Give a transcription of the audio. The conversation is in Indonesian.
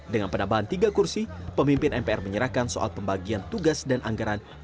dengan penambahan tiga kursi pemimpin mpr menyerahkan soal pembagian tugas dan anggaran